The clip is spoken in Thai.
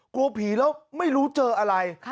กลว้โผีหลักอาจไม่รู้เจออะไร